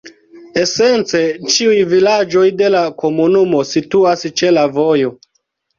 Esence ĉiuj vilaĝoj de la komunumo situas ĉe la vojo.